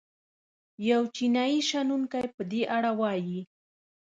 یو چینايي شنونکی په دې اړه وايي.